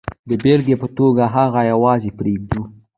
د بېلګې په توګه هغه یوازې پرېږدو.